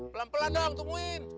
pelan pelan dong tungguin